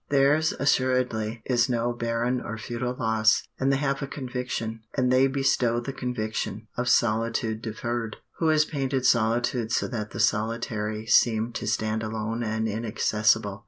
Theirs assuredly is no barren or futile loss, and they have a conviction, and they bestow the conviction, of solitude deferred. Who has painted solitude so that the solitary seemed to stand alone and inaccessible?